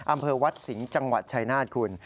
อำเภอวัดสิงห์จังหวัดชายนาฏคุณ